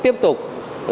đi lên chủ nghĩa xã hội